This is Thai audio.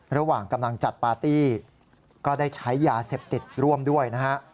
ระหว่างกำลังจัดปาร์ตี้ก็ได้ใช้ยาเสพติดร่วมด้วยนะฮะ